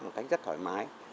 một cách rất thoải mái